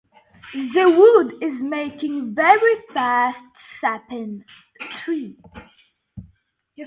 This attack prompted the construction of Fort Lugenbeel.